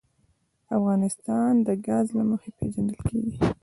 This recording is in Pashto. افغانستان د ګاز له مخې پېژندل کېږي.